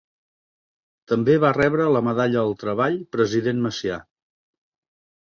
També va rebre la Medalla al treball President Macià.